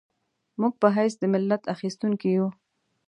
موږ په حیث د ملت اخیستونکي یو.